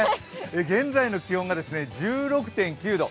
現在の気温が１６．９度。